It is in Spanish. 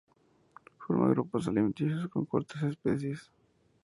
Forma grupos alimenticios con otras especies.